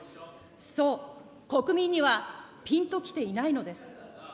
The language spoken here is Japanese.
そう、国民にはぴんときていないのです。